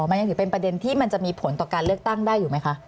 มันยังถือเป็นประเด็นที่มันจะมีผลต่อการเลือกตั้งได้อยู่ไหมคะ